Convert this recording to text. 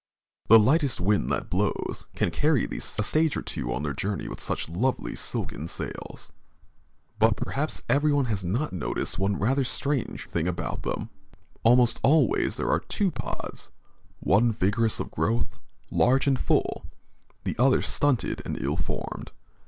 The lightest wind that blows can carry these a stage or two on their journey with such lovely silken sails. But perhaps everyone has not noticed one rather strange thing about them. Almost always there are two pods, one vigorous of growth, large and full; the other stunted and ill formed.